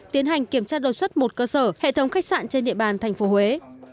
tiến hành kiểm tra đột xuất một cơ sở hệ thống khách sạn trên địa bàn thành phố huế